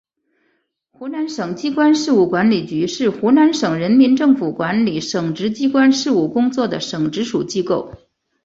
湖南省机关事务管理局是湖南省人民政府管理省直机关事务工作的省直属机构。